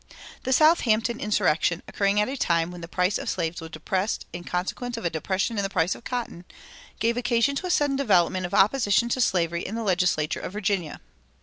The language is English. "The Southampton insurrection, occurring at a time when the price of slaves was depressed in consequence of a depression in the price of cotton, gave occasion to a sudden development of opposition to slavery in the legislature of Virginia.